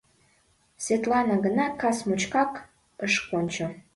Светлана гына кас мучкак ыш кончо.